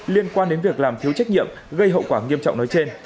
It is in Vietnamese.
liên quan đến việc làm thiếu trách nhiệm gây hậu quả nghiêm trọng nói trên